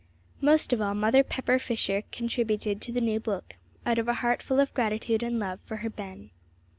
Most of all, Mother Pepper Fisher contributed to the new book, out of a heart full of gratitude and love for her Ben.